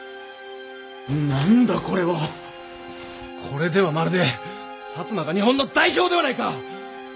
・何だこれは！これではまるで摩が日本の代表ではないか！